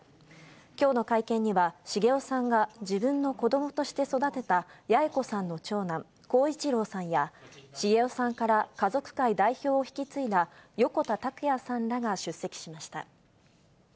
きょうの会見には、繁雄さんが自分の子どもとして育てた八重子さんの長男、耕一郎さんや、繁雄さんから家族会代表を引き継いだ横田拓也さんらが出席しました。